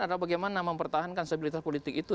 adalah bagaimana mempertahankan stabilitas politik itu